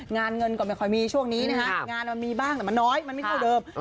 เงินก็ไม่ค่อยมีช่วงนี้นะฮะงานมันมีบ้างแต่มันน้อยมันไม่เท่าเดิม